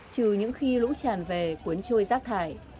trừ những khi lũ tràn về cuốn trôi rác thải